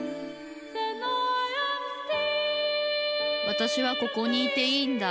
わたしはここにいていいんだ